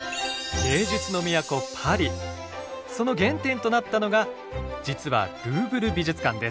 その原点となったのが実はルーブル美術館です。